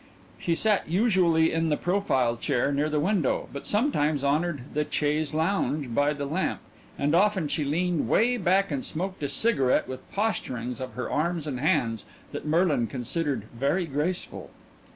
She sat usually in the profile chair near the window, but sometimes honored the chaise longue by the lamp, and often she leaned 'way back and smoked a cigarette with posturings of her arms and hands that Merlin considered very graceful.